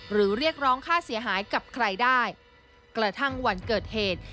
เรียกร้องค่าเสียหายกับใครได้กระทั่งวันเกิดเหตุ